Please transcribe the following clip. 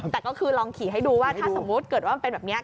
แต่ก็คือลองขี่ให้ดูว่าถ้าสมมุติเกิดว่ามันเป็นแบบนี้